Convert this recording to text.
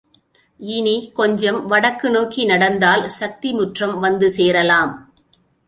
இனிக் கொஞ்சம் வடக்கு நோக்கி நடந்தால் சக்தி முற்றம் வந்து சேரலாம்.